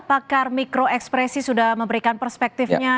pakar mikro ekspresi sudah memberikan perspektifnya